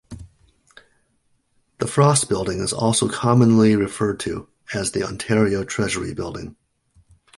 The Frost Building is also commonly referred to as the Ontario Treasury Building.